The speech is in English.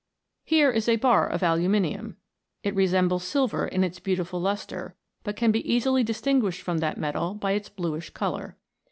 Here is a bar of aluminium. It resembles silver in its beautiful lustre, but can be easily dis tinguished from that metal by its bluish colour.